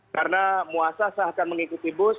karena muasasa akan mengikuti bus